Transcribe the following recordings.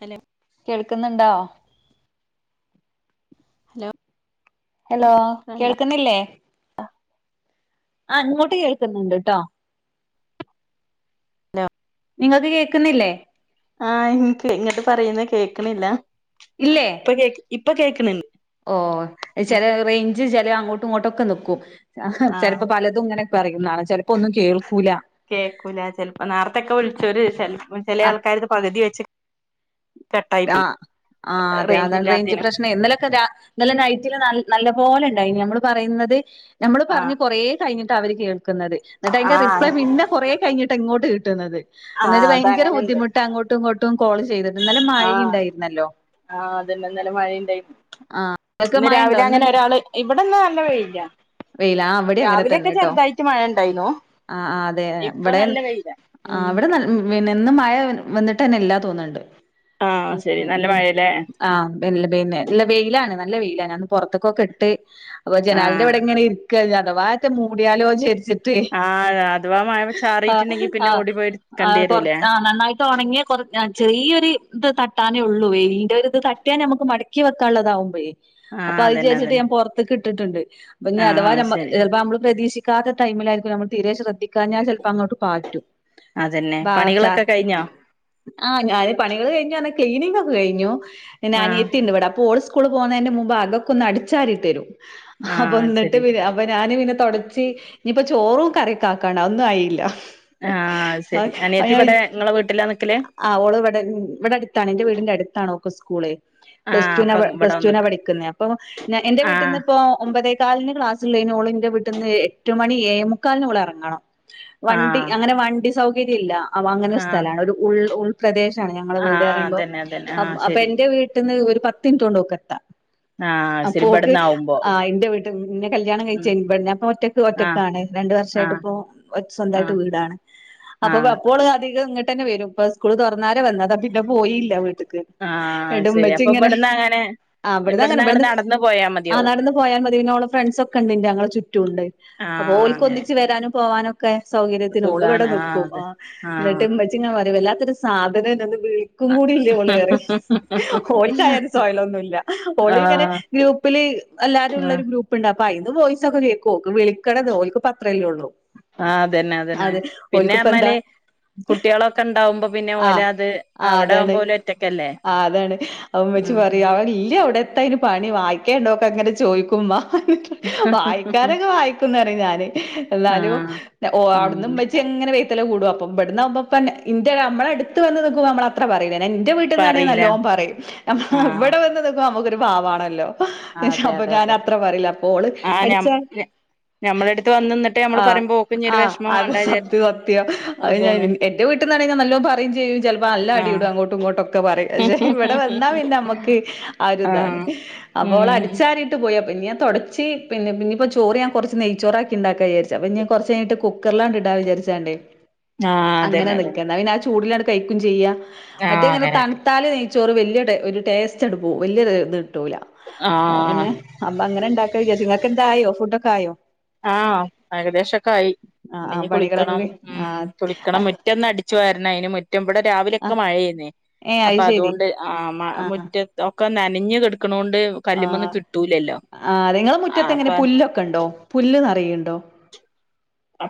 Hello. കേൾക്ക്ന്ന്ണ്ടോ? Hello hello കേക്കണുണ്ടോ കേൾക്ക്ന്നില്ലേ? ആ ഇങ്ങോട്ട് കേൾക്ക്ന്ന്ണ്ട്ട്ടോ. നോ നിങ്ങക്ക് കേക്ക്ന്നില്ലേ? ആ ഇൻക് ഇങ്ങ്ട്ട് പറയുന്ന കേക്ക്ണില്ല. ഇല്ലേ ഇപ്പൊ കേ ഇപ്പൊ കേക്ക്ന്ന് ഓ ചെല റെയ്ഞ്ച് ചെല അങ്ങോട്ടും ഇങ്ങോട്ടൊക്കെ ന്ന്ക്കും. ആഹ് ചെലപ്പോ പലതുങ്ങനെ. ചെലപ്പോ ഒന്നും കേൾക്കു കേക്കൂല ചെൽപ്പ നാർത്തൊക്കെ വിളിച്ചൊര് ചെൽപ്പ ചെല ആ ആൾക്കാര്തെ പകുതി വെച്ച്. കട്ടായി ആ പോയി ആ അതെ അതാണ് റേഞ്ച് പ്രശ്നേ ഇന്നലൊക്കെ രാ ഇന്നലെ നൈ [unintelligible] നല്ല പോലെ ഇണ്ടായിനി നമ്മള് പറയുന്നത് നമ്മള് പറഞ്ഞ് ആഹ് കൊറേ കഴ്ഞ്ഞിട്ടാ അവര് കേൾ ന്നത് എന്നിട്ട് അതിന്റെ ആഹ് റിപ്ലൈ പിന്നെ കൊറേ കഴിഞ്ഞിട്ടാ ഇങ്ങോട്ട് കിട്ട്ന്നത്. ആഹ് എന്ന്ട്ട് ഭയങ്കര ബുദ്ധിമുട്ടാ അങ്ങോട്ടും ങ്ങോട്ടും. ആ ആ അതന്നെ ഇന്നലെ മഴണ്ടായി. ങ്ങക്ക് ഇന്ന് മഴണ്ടോ രാവിലെ അങ്ങനെ ഒരാള് ഇവ്ടെന്നാ നല്ല വെയ്ലാ. വെയിലാ ഇവിടെ അങ്ങനെ തന്നെട്ടോ. ഉണ്ടായിന്നു ആ ആ അതെ ഇപ്പൊ ഇവടെ നല്ല വെയിലാ ആ ഉം ഇവടെ ന [unintelligible] ന്നെ ഇന്ന് മഴ വന്ന്ട്ട്ന്നെ ഇല്ലാ തോന്ന്ണ്ട്. ആഹ് ശരി നല്ല മഴല്ലേ ആ [unintelligible] വെയിലാണ് നല്ല വെയിലാ ഞാ ന്ന് പൊറത്ത്ക്കൊക്കെ ഇട്ട് അപ്പ ജനാല്ന്റെ ആഹ് ഇവിടെ ഇങ്ങനെ ഇരി [unintelligible] അതവാറ്റെ മൂടിയാലോ ചെര്ച്ച് ദേ ആഹ് അഥവാ മഴ ആ ചാറിയിട്ടുണ്ടെങ്കി പിന്നെ ഓടി പോയി ആ എടുക്കേണ്ടി കൊ റേ വരൂലേ ആ നന്നായിട്ട് ഉണങ്ങിയ കൊറാഞാൻ ചെറിയൊരു ത് തട്ടാനേ ഉള്ളൂ വെലിന്റെ ഒരു ഇത് തട്ടിയാ നമുക്ക് മടക്കി വെക്കാനുള്ളതാാവുമ്ബെ അപ്പൊ ആഹ് അതന്നെ അത്വിചാരിച്ചിട്ട് അതന്നെ ഞാൻ പുറത്ത്ക്ട്ടിട്ടുണ്ട് അപ്പൊ അഥവാ ആഹ് ഞമ്മ ശരി ഞമ്മ നമ്മള് പ്രതീക്ഷി നിക്കാത്ത ടൈമിലായിരിക്കും നമ്മൾ തീരെ ശ്രദ്ധിക്കാഞ്ഞാൽ ചിലപ്പോ അങ്ങോട്ട് പറ്റും അതന്നെ ബാ ചാ പണികളൊക്കെ കഴിഞ്ഞോ ആ ഞാന് പണികൾ കഴിഞ്ഞ് ക്ലീനിങ് ഒക്കെ കഴിഞ്ഞു ആ ഓൾ സ്കൂളി പോന്നെന്റെ മുമ്പ് അകംഒക്കെ ഒന്ന് അടിച്ചരി ഇട്ടരും അപ്പൊ ആഹ് എന്നിട്ട് ശരി പിന്നെ അപ്പൊ ഞാനും പിന്നെ തൊടച്ചി ഇപ്പ ചോറും കറി ഒക്കെ ആക്കണ്ടവും ഒന്നും ആയില്ല ആഹ് ശരി അനിയത്തി അഅയാൾ ഇവിടെ നിങ്ങളെ വീട്ടിലാ നിക്കല് ആ ഓള് ഇവിടെ ഇവിടെ അടുത്താണ് എന്റെ വീടിൻ്റെ അടുത്താണ് ഓള്കു സ്കൂള് പ്ലസ് ആഹ് ടുവിന അപ്പൊ ഇവിടെ പ്ലസ് വന്ന് ടുവിന നിക്കും പഠിക്കുന്നേ അപ്പൊ എന്റെ ആഹ് വീട്ടിന്ന് ഇപ്പോ ഒമ്പതേ കാലിന് ക്ലാസ് ഇല്ല്യ ഓള് ന്റെ വീട്ടിൽന്ന് എട്ട് മണി ഏഴേ മുക്കാലിനോള് ഇറങ്ങണം വണ്ടി ആഹ് അങ്ങനെ വണ്ടി സൗ ഇതിര്യല്ല അവ അങ്ങനെ ഒരു ആഹ് സ്ഥലാണ് ഉ ഉൾപ്രദേശ ഇട്ട ഞങ്ങളെ വീട് ആഹ് പറയുമ്പോ അതന്നെ അതന്നെ അപ്പൊ ആഹ് അപ്പ് ശരി എന്റെ വീട്ടി നിന്ന് ഒരു പത്ത് മിനിറ്റ് കൊണ്ടോക്കെത്താം ആ അപ്പോ ഓക്ക് ആഇ ന്റെ വീട്ടി നിന്ന് ന്നെ കല്യാണം ഉം കഴിച്ചുമ്പ അപ്പൊ ഒറ്റക്ക് ആഹ് ഒറ്റയ്ക്കാണേ രണ്ട് വർഷയിട്ട് ആഹ് ഇത്പ്പൊ ഓല് ക്ക്സൊന്തായിട്ട് ആഹ് വീടാണ് അപ്പ ആഹ് അപ്പോഓള് അതികംഇങ്ങട് തന്നെ വരും ഇപ്പൊ സ്കൂള് തുപെട്ടെന്നെ രെ വറൂം പിന്നെ പോയില്ല വീട്ടിക്ക് ഉമ്മച്ചി ഇങ്ങനെ ന്ന അങ്ങനെ ഇവിടുന്ന് ഇവിടന്ന് അങ്ങനെ ഇവിടുന്ന് നടന്ന് പോയ ആ നടന്ന് പോയാൽ മതി പിന്നെ ഓളെ ഫ്രണ്ട്സ് ഒക്കെ ഉണ്ട് ഇന്റെ ഞങ്ങളെ ചുറ്റുണ്ട് അപ്പൊ ആഹ് ഓല് ക്ക് അങ്ങനെ ഒന്നിച്ച് വരാനും പോവാനും ഒക്കെ സൗകര്യത്തിന് ഓള് ഇവിടെ സുഖാണ് നി ആഹ് ആ അതെ ആഹ് എന്നിട്ട് ഉമ്മച്ചി പറയു വല്ലാത്തൊരു സാധനാന്ന് വിളിക്കും ക്കൂടില്ലേ ഓള്പറയും ഓള് കയറ പിന്നേ ന്നുല്ല ഓള് ഇങ്ങനെ ആഹ് ഗ്രൂപിലു അല്ലാതെ ഉള്ള ആഹ് ഒരു ഗ്രൂപ്പ് ഉണ്ട അപ്പൊ അയിന്ന് വോയിസ്‌ ഒക്കെ കേൾക്കും വിളിക്കണത് അത് ഓലുക്ക് ഇപ്പൊ അത്രേല്ലേ ഉള്ളൂ ആ അതന്നെ അതന്നെ അതെ പിന്നെ ഓൽക്കിപ്പ എന്താ അപറഞ്ഞാല് കുട്ടികുട്ടിയോളൊക്കെ ഇണ്ടാവുമ്പോ പിന്നെ ഓല് ആഹ് അത് ആഹ് അവിടെ അതാണ് ആവുമ്പോ ഓല് ഒറ്റക്കല്ലേ ച്ച് ഉം പറയു അവള് ഇല്ലേ അവിടെ എത്ത അവിടെ പണി വായിക്കേണ്ട ഒക്കെ ഇങ്ങനെ ചോയിക്കുമ്പോ ഹഹവായിക്കാനൊക്കെ വായിക്കും നരിയും ഞാന് എന്നാലും ആഹ് ഓ ഉം അവിട് ഉമ്മച്ചി ഇങ്ങന റീസൽകുടും അപ്പ ഇവിടുന്ന് ആവുമ്പോ പാ ന്റെ നമ്മള അടുത്ത നിൽക്കുമ്പോൾ ഞമ്മള് അത്ര പറയൂലെ എന്റെ വീട്ടിന്നാണെ പറയില നല്ലോം പറയും അപ ആഹ് ഇവിടെ വന്ന നിൽക്കുമ്പോ നമുക്കൊരു പാവാണല്ലോ അതെ പ്പൊ അതെ ഞാൻ അതെ അത്ര പറയില അപ്പോ ഓള് ആഹ് ഞ അടിച്ചാ ഞമ്മള അടുത്ത് വന്ന് നിന്നിട്ട് നമ്മള് ആ പറയുമ്പോ ഓക്കും ഇനി ഒരു ആ വിഷമം അത് വേണ്ട വിചാരിച്ച് സത്യം വാത്യ അത് ഞ അതാണ് എന്റെ വീട്ട ട്ടി നണേ ഞാൻ പറയും ചെയ്യും ചിലപ്പോ അ നല്ല അടി ആഹ് ഇടും അങ്ങോട്ടും ഇങ്ങോട്ടൊക്കെ പറയും പക്ഷേ ഇവിടെ വന്ന അപ്പോ ഇൻ്റമ്മക്ക് ആ ഒരു ഇതാണ് ആഹ് അപ്പോ ഓള് ഉം അടിച്ചാറിട്ട് പോയപോ പിന്നെ ഞാൻ തൊടച്ചി പിന്നെ പിന്ന ഇപ്പൊ ചോറ് ഞാ കുറച്ച് നെയ്ച്ചോർ ആക്കി ണ്ടാക്കാ വിചാച്ച അപ്പ ഞാ കുറച്ചു കഴിഞ്ഞിട്ട് കുക്കറിലാണ്ട് ഇണ്ടാ വിച്ചരിച്ചാണ്ടേ ആഹ് അതന്നെ അങ്ങനെ അതന്നെ നിക്കന്ന ന്ന പിന്നെ ആ ചൂടിലടു കഴിക്കും ചെയ്യാം മറ്റേ ആഹ് ത് ഇങ്ങനെ അങ്ങനെ തണുത്താല് നെയ്ച്ചോറ് വല്യ ഒരു ടേസ്റ്റ് അങ്ങണ്ട് പോവും വല്യ ഒരു ഇത് കിട്ടൂല അപ്പൊ ആഹ് പിന്നെ അപ്പൊ അങ്ങനെ ഉണ്ടാക്ക വിചാച്ച് നിങ്ങക്ക് എന്തായോ ഫുഡൊക്കെ ആയോ ആ ഏകദേശം ക്കെ ആയി ആഹ് ആഹ് ഇനി പണികളൊക്കെ കുളിക്കണം കഴി ഉം ആഹ് കുളിക്കണം ആഹ് മുറ്റം ഒന്ന്അടിച്ചോരണം അയ് ന് മുറ്റം ഇവിടെ രാവിലെയൊക്കെ മഴേർന്നേയ് ഏഹ് അത് അപ്പൊ ശരി അതൊണ്ട് ആമാ മുറ്റ ഒക്കെ നനഞ്ഞികേട്ക ആ ആ ആ നിങ്ങളെ ആ മുറ്റത്ത് ഇങ്ങനെ അപ്പൊ പുല്ലൊക്കെ ഉണ്ടോ പുല്ല്നാർ [inaudible]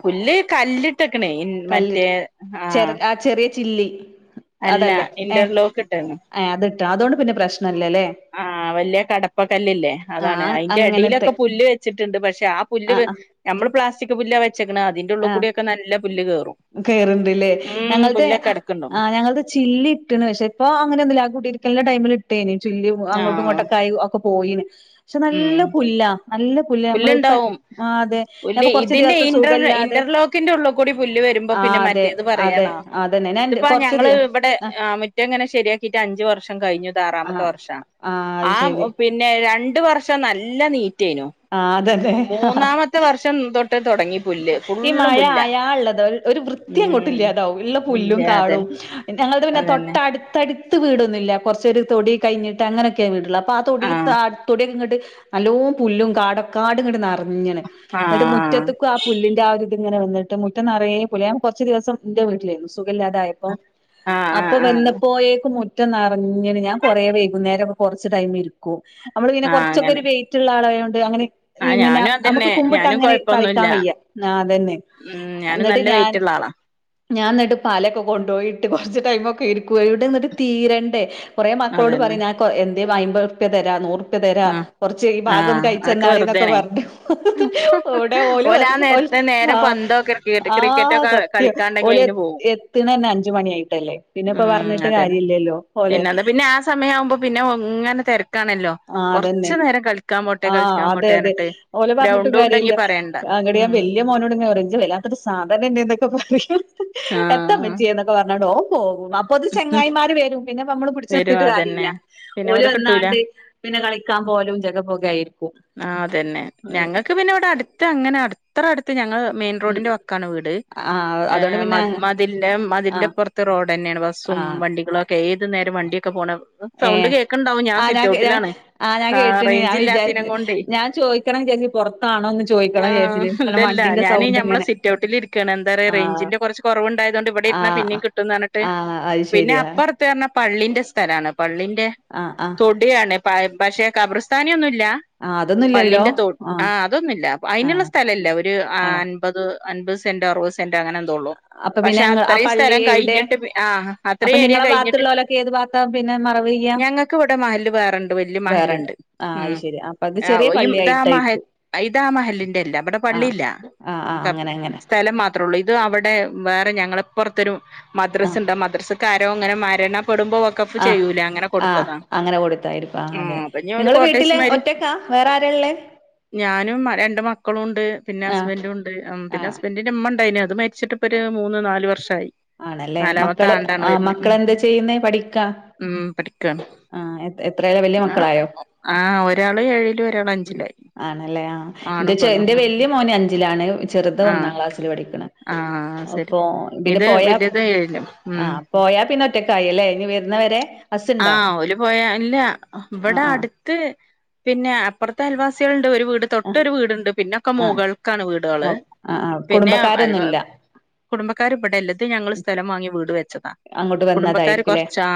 പുല്ല് കല്ലിട്ടകണ്ണി മറ്റേ കല്ലിട്ട് ആ ചെറ ചെറിയ ചില്ലി അതല്ലേ ഏ ഇന്റർലോക്ക് ഇട്ടണ് അത്ട്ട അതൊണ്ട് പിന്നെ പ്രശ് ആ ആവല്യകടപ്പ കല്ലില്ലേ അതാണ് ആഹ് അതിന്റെ അങ്ങനത്തെ അടിയിലൊക്കെ പുല്ല് വെച്ചിട്ടുണ്ട് പക്ഷെ ആ പുല്ല് ആഹ് ആഹ് ഞമ്മൾ പ്ലാസ്റ്റിക് പുല്ല വെച്ചേക്ക്ണ് അതിന്റെ ഉള്ള് കൂടി ഒക്കെ നല്ല പുല്ല് കേറും കേയറണ്ട്ല്ലേ ഉം ഞങ്ങൾതെ പുല്ലൊക്കെ ആ കെടക്കണ്ടാവും ഞങ്ങളത് ചില്ലിട്ടണ് പക്ഷേ ഇപ്പോ അങ്ങനെ ഒന്നുംല്ല ആ കുടി ക്കല്ല ടൈമൽ ഇട്ടേന് ചില്ല് അങ്ങോട്ടും ആഹ് ഇങ്ങോട്ടൊക്കെ ആയി ഒക്കെ പോയിന് പക്ഷെ നല്ല ഉം പുല്ലാ നല്ല പുല്ല് നമ്മള് ഇപ്പൻ. പുല്ലുണ്ടാവും ആ അതെ പുല്ല് ഞാപ്പൊ കൊറച്ച് ഇതിന്റെ ദിവസം ഇന്റർ സുഖം ഇല്ലാതെ ഇന്റർലോക്കിന്റെ ഉള്ളിൽ കൂടി പുല്ല് വരുമ്പോ പിന്നെ മറ്റേത് പറയണോ ഞാൻ ഇതിപ്പ കൊറച്ച് ഞങ്ങള് ദിവ ഇവിടെ ആ മുറ്റം ഇങ്ങനെ ശരിയാക്കിയിട്ട് അഞ്ച് വർഷം കഴിഞ്ഞു. ആ ഇതാറാമത്തെ വർഷ. അത് ആ ശരി പിന്നെ രണ്ട് വർഷം നല്ല നീറ്റായിനു. ആ അതക്കെ. തൊട്ട് തുടങ്ങി പുല്ല് ഈ ഫുള്ളും മഴ പുല്ല ആയാ ഇള്ളത് ഒരു വൃത്തി ഉം അങ്ങോട്ടില്ലാതാവും ഇള്ള ഇല്ല പുല്ലും കാടും അതന്നെ ഞങ്ങളുടെ പിന്നെ അതന്നെ തൊട്ടടുത്തടു ത്ത് വീടൊന്നില്ല കൊറച്ചൊരു തൊടി ഒക്കെ കഴഞ്ഞിട്ട് അങ്ങനൊക്കെയ വീടുള്ളെ അപ്പൊ ആ തൊടി ആഹ് താ തൊടിക്കെ ഇങ്ങട്ട് നല്ലോ പുല്ലും കാടൊക്കാട് ഇങ്ങട് നിറഞ്ഞണ് എന്നിട്ട് ആഹ് മുറ്റത്തുക്കും ആ പുല്ലിന്റെ ആ ഒരിതിങ്ങനെ വന്നിട്ട് മുറ്റം നിറയെ പുലയാൻ കുറച്ച് ദിവസം എന്റെ വീട്ടിലായിരുന്നു. സുഖയില്ലാതായപ്പോ ആഹ് ആഹ് അപ്പൊ ആഹ് വന്നപ്പോയേക്കും മു റ്റംന്നറിഞ്ഞന് ഞാൻ കൊറേ വൈകുന്നേരൊക്കെ കൊറച്ച് ടൈം ഇരിക്കു. നമ്മള് ഇങ്ങനെ ആഹ് കൊറച്ചൊക്കെ അങ്ങനെ ഒരു വെയിറ്റുള്ള ആളായോണ്ട് അങ്ങനെ ആ ഈ മന ഞാനും നമുക്ക് അതന്നെ കുമ്പിട്ട് ഞാനും അങ്ങനെ പറിക്കാൻ കൊഴപ്പൊന്നുല്ല വയ്യ. ആ അതന്നെ. ഉം ഞാനും അന്നിട്ട് നല്ല ഞാൻ വെയിറ്റുള്ള ആളാ ഞാൻ എന്നിട്ട് പാലൊക്കെ കൊണ്ടോയിട്ട് കുറച്ച് ടൈമൊക്കെ ഇരിക്കുവ ഇവിടെ ന്നിട്ട് തീരണ്ടേ. കുറേ മക്കളോട് അതന്നെ പറയും ഞാൻ കൊ എന്തേ വൈമ്പറുപ്യ തരാ നൂറു തരാ ആ കൊറച്ച് ഈ ഭാഗം ഒന്ന് ആഹ് അതൊക്കെ കഴിച്ചെന്നാളിന്നൊക്കെ വെറുതേനെ പറഞ്ഞു ഓടെ ഓലും ഓലാ നേരത്തെ നേരെ ആഹ്. പന്തോ ക്രിക്കറ്റ് ആഹ് ക്രിക്കറ്റൊക്കെ സത്യം കളിക്കാണ്ടെങ്കി ഓല് അയിന് എത്ത് പോവും എത്തണ തന്നെ അഞ്ച് മണിയായിട്ടല്ലേ. പിന്നെ ഇപ്പൊ ഉം പറഞ്ഞിട്ട് അതന്നെ കാര്യ ഇല്ലല്ലോ ഓല്. അങ്ങനെ തിരക്കാണല്ലോ. അതന്നെ. ആഹ് അതെ അതെ പറഞ്ഞിട്ട് ഓലെ പറഞ്ഞിട്ടും ഗ്രൗണ്ടും കാര്യ ഉണ്ടെങ്കി ഇല്ല. പറയണ്ട അങ്ങട് ഞാൻ ഉം വല്ല്യ മോ നോട് തന്നെ പറയും ഇജ്ജ് വല്ലാത്തൊരു സാധനന്നേനൊക്കെ പറയും എത്താ ആഹ് അമ്മച്ചിയെ എന്നൊക്കെ പറഞ്ഞോണ്ട് ഓൻ പോകും. അപ്പൊ അത് ചെങ്ങായിമാര് വരും പിന്നെ നമ്മള് പിടിച്ച് വരും നിർത്തിട്ട് കാര്യ ഇല്ല. അതന്നെ പിന്നെ ഓല് ഓലെ കിട്ടൂല വന്നാണ്ട് പിന്നെ കളിക്കാൻ പോലും ജഗപൊക ആയിരിക്കും. ആ അതന്നെ അതെ ഞങ്ങക്ക് പിന്നെ ഇവിടെ അടുത്ത് അങ്ങനെ അത്ര അടുത്ത് ഞങ്ങള് മേൻ ഉം റോഡിന്റെ വക്കാണ് വീട് ആഹ് ഏ അതോണ്ട് പിന്നെ മത് മതിലിന്റെ ആഹ് മതിലിന്റെപ്പറുത്ത് റോ തന്നെയാണ് ബസ്സും ആഹ് വണ്ടികളും ഒക്കെ ഏതു നേരം വണ്ടിയൊക്കെ പോണ സൗണ്ട് ഏഹ് കേക്കിണ്ടാവും ഞാൻ ആഹ് സിറ്റ് ഞാൻ ഔട്ടിലാണ് ആഹ് ഞാൻ ആ കേട്ട്ണ് ഞാൻ റേഞ്ചില്ലാ ഞാൻ ചോയിക്കണം വിചാരിച്ച് പുറത്താണോന്ന് ചോദിക്കണം വിചാരിച്ചിന്, കാരണം വണ്ടീന്റെ സൗണ്ട് ഇങ്ങനെ. ലിരിക്കാണ് എന്താറിയൊ ആഹ് റേഞ്ചിന്റെ കൊറച്ച് കൊറവ് ഇണ്ടായതുകൊണ്ട് ഇവിടെ ഇരുന്ന പിന്നേം ആഹ് കിട്ടുംന്ന് പറഞ്ഞിട്ട് ആഹ് അത് പിന്നെ ശെരിയാ അപ്പറത്തെ പറഞ്ഞാ പള്ളീന്റെ സ്ഥലാണ് പള്ളീന്റെ ആഹ് ആഹ് തൊടിയാണ് പ പക്ഷെ കബർസ്ഥാനിയൊന്നുംല്ല ആഹ് അതൊന്നുല്ലല്ലോ പള്ളിന്റെ തോട് ആ ആഹ് അതൊന്നില്ല അയിനുള്ള ആഹ് സ്ഥല ഇല്ല്യ ഒരു ആണോ അൻപത് അൻപത് സെന്റ് അറുപത് സെന്റ് അങ്ങനെന്തോ ഉള്ളൂ. അപ്പൊ പിന്നെ പക്ഷെ അങ്ങ് ആ അത്രയും പള്ളി സ്ഥലം എവിടെ കഴിഞ്ഞിട്ട് പി ആ അപ്പൊ അത്രയും ഏരിയ നിങ്ങളെ കഴിഞ്ഞിട്ട് ഭാഗത്തുള്ളോലൊക്കെ ഏത് ഭാഗത്താ പിന്നെ മറവ് ചെയ്യാ ഞങ്ങക്ക് ഇവിടെ മഹല് വേറണ്ട് വല്യ വേറെണ്ട് മഹലുണ്ട് ആഹ് ഉം. അത് ശെരി അപ്പൊ അത് ആ ചെറിയ ഈതാമഹൽ പള്ളിയായിട്ടായിരിക്കും ഇതാമഹലിൻന്റെ അല്ല അവിടെ ആഹ് പള്ളിയില്ലാ. ആഹ് ആഹ് കം അങ്ങനെ അങ്ങനെ സ്ഥലം മാത്രേ ഉള്ളൂ ഇത് അവിടെ വേറെ ഞങ്ങളെ ഇപ്പർത്തൊരു ആഹ് മദ്രസിണ്ട് മദ്രസക്കാരോ ഇങ്ങനെ മരണം പെടുമ്പോ ഓക്കപ്പ് ആഹ് ചെയ്യൂല അങ്ങനെ ആഹ് കൊടുത്തതാ. അങ്ങനെ ആ പിന്നെ ഒരു കോട്ടേഴ്‌സ്മാരി ക്കാ വേറെ ആരാ ഇള്ളേ? ഞാനും രണ്ട് മക്കളും ഉണ്ട് പിന്നെ ആഹ് ഹസ്ബന്റും ഉണ്ട് ഉം പിന്നെ ആഹ് ഹസ്ബന്റിന്റെ ഉമ്മ ഇണ്ടായിന് അത് മരിച്ചിട്ടിപ്പോ ഒരു മൂന്ന് നാല് വർഷം ആണല്ലേ. മക്കള് ആ ഉം മക്കളെന്താ ചെയ്യുന്നേ പഠിക്കാ? ഉം പഠിക്കാണ് ആ എ എത്രയില വലിയ ആഹ് മക്കളായോ? ആഹ് ഒരാള് ഏഴിലും ഒരാള് ഉം അഞ്ചിലായി ആണല്ലേ ആ എന്റെ ആണും ചെ പെണ്ണും എന്റെ ഉം വലിയ മോന് അഞ്ചിലാണ് ചെറുത് ഒന്ന് ആഹ് ന്നാം ക്ലാസ്സില് പഠിക്ക്ണ് ആഹ് ശരി അപ്പൊ ഇതി ഇത് പോയാ വല്യത് ഏഴിലും ഉം ആഹ് പോയാ പിന്ന ഒറ്റക്കായി അല്ലേ ഇനി വരുന്നവരെ ഹസുണ്ടോ? ഏ ഇല്ല ഇവ്ടടുത്ത് പിന്നെ അപ്പർത്തെ അയൽവാസികളി ഒരു വീട് ആഹ് തൊട്ടൊരു വീടുണ്ട് പിന്നൊക്കെ ആഹ് മുകൾക്കാണ് മൊ വീടുകള് ആഹ് ആഹ് പിന്നെ അയ് കുടുംബക്കാരൊന്നുല്ല കുടുംബക്കാർ ഇവിടെല്ല ത് ഞങ്ങൾ സ്ഥലം വാങ്ങി വീട് വെച്ചതാ. അങ്ങോട്ട് കുടുംബക്കാര് വന്നതായിരിക്കുംല്ലേ കൊറച്ച് ആ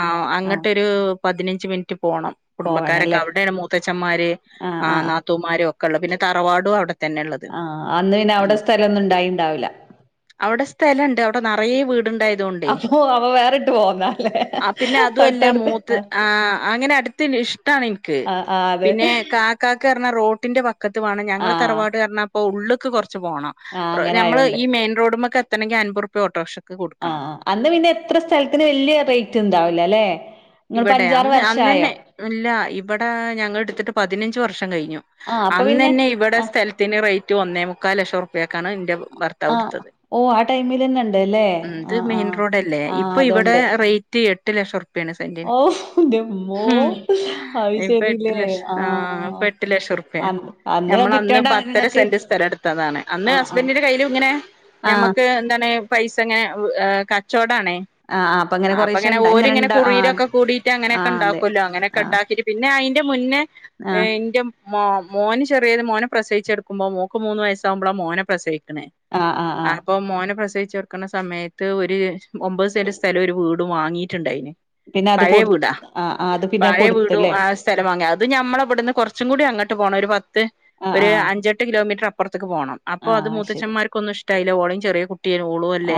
ആഹ് അങ്ങട്ടരു പതിനഞ്ച് മിനിറ്റ് പോണം കുടുംബക്കാരൊക്കെ പോവണല്ലേ അവിടേണ് മൂത്തച് അച്ചന്മാര്, ആഹ് ആ ആഹ് നാത്തൂമാര് ഒക്കെ ഉള്ള പിന്നെ തറവാടും അവിടെ തന്നെ ഉള്ളത്. ആഹ് അന്ന് പിന്നെ ഉം അവിടെ സ്ഥലംന്നും ഇണ്ടായിണ്ടാവില്ല. സ്ഥലംണ്ട് അവിടെ നെറയ വീട് ണ്ടായത്കൊണ്ടെ അപ്പൊ അവ വേറിട്ട് പോന്നല്ലേ അ പിന്നെ അതുല്ല തൊട്ടടുത്ത് മൂത്ത് ആഹ് ആ അങ്ങനെ. [unintelligible] ഇഷ്ട്ടാണെനിക്ക്. ആഹ് ആഹ് അതെ പിന്നെ കാക്കാക്ക് ർഞ്ഞാൽ റോട്ടിന്റെ വക്കത്ത് വേണം ഞങ്ങളെ ആഹ് തറവാട് ർഞ്ഞാൽ പ്പൊ ഉള്ള്ക്ക് കൊർ ച്ച് പോണം ആഹ് അങ്ങനെ നമ്മൾ ആയോണ്ട് ഈ മെയിൻറോഡ്മക്കെത്തണെങ്കിൽ അൻമ്പുറുപ്യ ഓട്ടോറിക്ഷക്ക. ആ ആഹ് അന്ന് പിന്നെ എത്ര സ്ഥലത്തിന് വല്യ റേറ്റ് ഇണ്ടാവുല ല്ലേ? ഇവിടെ അന്ന് അന്നന്നെ ഇല്ല ഇവിടെ ഞങ്ങൾ എടുത്തിട്ട് പതിനഞ്ച് വർഷം കഴിഞ്ഞു. ആഹ് അപ്പൊ പിന്നെ അന്നന്നെ ഇവിടെ ആഹ് സ്ഥലത്തിന് റേറ്റ് ഒന്നേ മുക്കാൽ ലക്ഷം ഉർപ്യെക്കാണ് ഇന്റെ ആഹ് ഭർത്താവ്ട്ത്തത് ഓഹ് ആ ടൈമിലന്നെ ഇണ്ട്ല്ലേ ഇത് ആഹ് മെയിൻ ആഹ് റോഡല്ലേ ആഹ് ഇപ്പൊ ഇവിടെ അതോണ്ട് റേറ്റ് എ എട്ട് ലക്ഷം ഉർപ്യെണ്. സെന്റിന് ഓഹ് ഇന്റമ്മോ ഹ്മ് അത് ഹ് ഇപ്പൊ എട്ട് ശരില്ലേ ലഷ ആ ഇപ്പ ആഹ് എട്ട് ലക്ഷർ പ്യ അന്ന് ഞമ്മൾ അന്ന് കിട്ടിയോണ്ടാ പത്തര നിങ്ങക്ക് സെന്റ് സ്ഥല ഇട്ത്തതാണ് അന്ന് ആഹ് ആഹ് ഹസ്ബന്റിന്റെ കയ്യിൽ ഇങ്ങനെ ആഹ് ഞമ്മക്ക് എന്താണ് പൈസങ്ങനെ ഹ് ഏ കച്ചോട് ടാണ് ആ ആ അങ്ങനെ അപ്പൊ കൊറേശെ ഇങ്ങനെ ഇണ്ട ഓര്ങ്ങനെ ഇണ്ട ആ കുറിലൊ ക്കെ കൂടിയിട്ട് ആ അങ്ങനെയൊക്കെ അതെ ഉണ്ടാക്കല്ലോ അങ്ങനെയൊക്കെ ആ ഉണ്ടാക്കിട്ട് പിന്നെ അതിന്റെ മുന്നേ ആ ന്റെ മോ മോന് ചെറിയത് മോനെ പ്രസവിച്ചെടുക്കുമ്പോ മോക്ക് മൂന്ന് വയസ്സാവുമ്പള മോനെ പ്രസവ് ക്ക്ണ് ആ ആ ആ അപ്പൊ മോനെ പ്രസ ചെർക്ക്ണ സമയത്ത് ഒരു ഒമ്പത് സെന്റ് സ്ഥലം ഒരു വീടും വാങ്ങിയിട്ടുണ്ടായിന്. പിന്നെ അത് കൊട് അ ആ. അത് പിന്നെ പയെ വീടും കൊടുത്തല്ലേ ആ സ്ഥലം വാങ്ങി അത് ഞമ്മള വിട്ന്ന് കൊറച്ചും കൂടി അങ്ങട്ട് പോണം ഒരു പത്ത്. ആ ഒരു ആ അഞ്ചെട്ട് കിലോമീറ്റർ അപ്പർത്ത്ക്ക് പോണം അപ്പോ ആ അത് ശരി മൂത്തച്ന്മാർക്കൊന്നും ഇഷ്ട്ടായില ഓളീം ചെറിയ കുട് ട്ടിം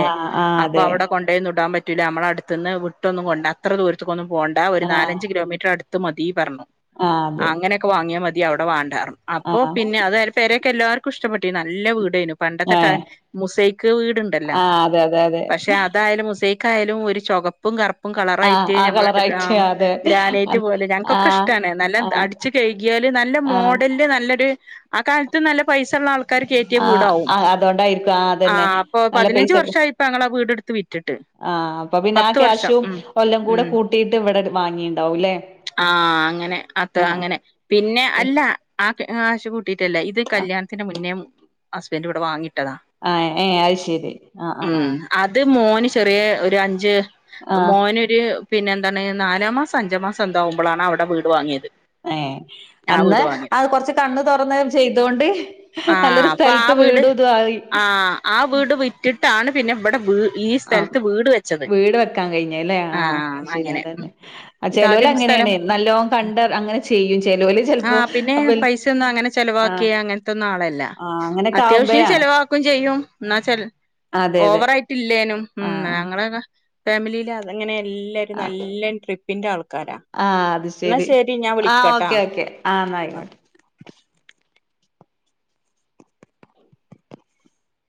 ആ ആ അപ്പൊ അതെ അവിടെ കൊണ്ടേയെന്നും ഇടാൻ പറ്റൂല്ല നമ്മളടുത്ത്ന്ന് വിട്ടൊന്നും കൊണ്ട് അത്ര ദൂര ന്നും പോണ്ട ഒരു ആ നാലഞ്ച് കിലോമീറ്റർ അടുത്ത് മതി പറഞ്ഞു ആ അതെ അങ്ങനെക്കെ വാങ്ങിയ മ തി അവിടെ വാണ്ടാർ ആ അപ്പൊ പിന്നെ അതായ പെരൊക്കെ എല്ലാർക്കും ഇഷ്ടപ്പെട്ടിന്നു നല്ല വീട് [unintelligible] പണ്ടത്തെ ഏ ടൈ മുസൈക്ക് വീടുണ്ടല്ലോ ആ അതെ അതെ അതെ പഷേ അതായാലും മുസൈക്ക് ക്കായാലും ഒരു ചുകപ്പും കറുപ്പും ആ കളറയി ആ [unintelligible] കളറായിട്ട് അതെ ആ ഗ്രാനൈറ്റ് പോലെ ആ ഞങ്ങക്കൊക്കെ ഇഷ്ട്ടാണ് ആ നല്ലതാ അടിച്ച് കൈകിയാൽ നല്ല ആ മോ ഡെൽല് നല്ലൊരു ആ കാലത്ത് നല്ല പൈസ ഉള്ള ആൾ ക്കാർ കേറ്റിയ വീടാവും ആ അതുകൊണ്ടായിരിക്കും ആ അതന്നെ അപ്പൊ നല്ല പതിനഞ്ച് വർഷായിപ്പം ഞങ്ങളാ വീട് ട്ത്ത് വിറ്റിട്ട്. ആഹ് അപ്പൊ പിന്നെ ആ പത്ത് വർഷം ക്യാഷും ഉം ഒല്ലം കൂടെ ഉം കൂട്ടിയിട്ട് ഇവിടെ വാങ്ങിണ്ടാവുംല്ലേ. ആ അങ്ങനെ അത്ത ആ അങ്ങനെ പിന്നെ അല്ല ആ കാ കാശുകൂ ട്ടീറ്റല്ല ഇത് ആ കല്യാണത്തിന് മുന്നേ ഹസ്ബന്റ്വ്ടെ വാങ്ങിട്ട് ആഹ് ഏ അയ് ശെരി അ ആ ഉം ആഹ്. അത് മോന് ചെറിയ ഒരു അഞ്ച് ആഹ് മോന്. ഹ് പിന്നെ എന്താണ് നാലാ മാസൊ അഞ്ചാ മാസൊ എന്തൊആവുമ്പളാണ് അവിടെ വീട് വാങ്ങിയത്. ഏ ആ അന്ന് വീട് വാങ്ങിയത് അത് കൊറച്ച് കണ്ണ് തുറന്ന് ചെയ്തൊണ്ട് ഹ്ഹ ആ നല്ലൊരു അപ്പൊ ആ സ്ഥലത്ത് വീട് വീടു തു ആയി. ആ ആ വീട് വിറ്റിട്ടാണ് പിന്നെ ഇവിടെ വീ ഈ ആഹ് സ്ഥലത്ത് വീട് വെച്ചത് വീട് വെക്കാൻ കഴിഞ്ഞഹ് ലേ. ആ അഹ് ശെരി അങ്ങനെ ഉം അതന്നെ ആ ഇതാദ്യം സ്ഥലം ചേലോലങ്ങനേണ് നല്ലോം കണ്ട് അങ്ങനെ ചെയ്യും ചെലോല് ചെൽ ആഹ് പിന്നെ പൈസ ഒന്നും അങ്ങനെ ചെലവാക്കിയെ അങ്ങൻത്തൊന്നും ആളല്ല ആഹ് അങ്ങനെയൊക്കെ അത്യാവ്ശ്യം ആവുമ്പഴാണ് ചെലവാക്കും ചെയ്യും. എന്ന വച്ചാൽ അതെ അതെ ഓവറായിട്ടില്ലേനും ഉം ആഹ് ഞങ്ങളക്ക ഫാമിലില എല്ലരും നല്ല ട്രിപ്പിന്റെ ആൾ ആ അത് ശെരി ആ വിളിക്കാട്ടാ ഓക്കെ ഓക്കെ ആ ആന്നായിക്കോട്ടെ.